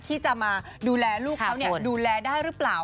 ที่จะมาดูแลลูกเขาดูแลได้หรือเปล่า